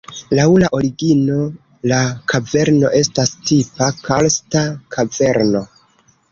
Laŭ la origino la kaverno estas tipa karsta kaverno.